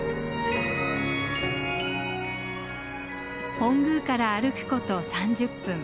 本宮から歩くこと３０分。